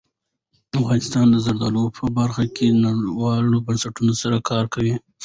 افغانستان د زردالو په برخه کې نړیوالو بنسټونو سره کار کوي.